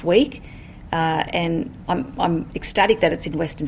jadi ini adalah bagian dari apa yang kita jelaskan